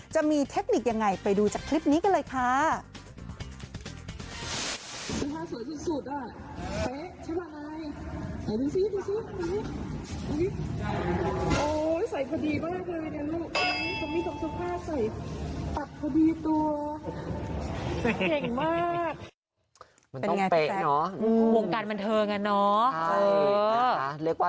เทคนิคยังไงไปดูจากคลิปนี้กันเลยค่ะ